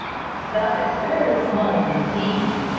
"That is very kind indeed!"